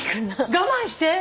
我慢して？